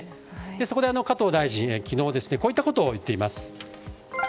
そこで加藤大臣は昨日こういったことを言っています。